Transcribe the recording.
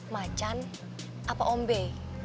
macan apa ombe